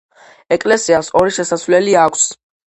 ეკლესიას ორი შესასვლელი აქვს.